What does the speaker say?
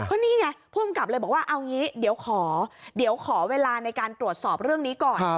ก็นี่ไงผู้กำกับเลยบอกว่าเอางี้เดี๋ยวขอเดี๋ยวขอเวลาในการตรวจสอบเรื่องนี้ก่อน